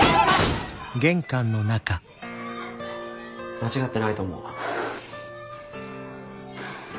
間違ってないと思う。